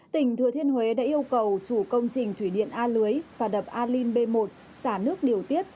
tỉnh thừa thiên huế đã yêu cầu chủ công trình thủy điện a lưới và đập a linh b một xã nước điều tiết